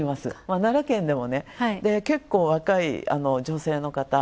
奈良県でも結構若い女性のかた